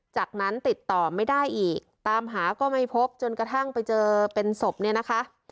จากนั้นติดต่อไม่ได้อีกตามหาก็ไม่พบจนกระทั่งไปเจอเป็นศพเนี่ยนะคะ